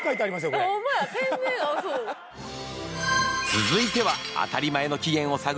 続いては。